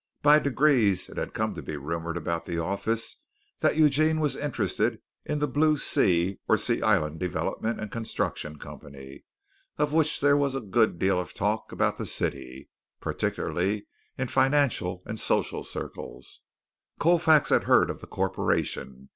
By degrees it had come to be rumored about the office that Eugene was interested in the Blue Sea or Sea Island Development and Construction Company, of which there was a good deal of talk about the city, particularly in financial and social circles. Colfax had heard of the corporation.